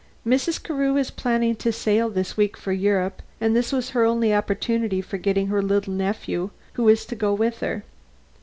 Mrs. Carew is planning to sail this week for Europe, and this was her only opportunity for getting her little nephew, who is to go with her.